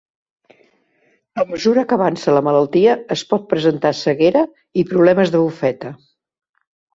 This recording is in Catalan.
A mesura que avança la malaltia, es pot presentar ceguera i problemes de bufeta.